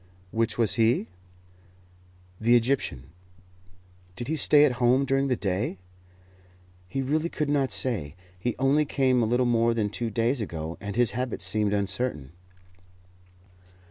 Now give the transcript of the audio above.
Which was he? The Egyptian. Did he stay at home during the day? He really could not say. He only came a little more than two days ago, and his habits seemed uncertain.